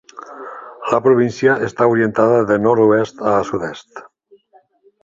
La província està orientada de nord-oest a sud-est.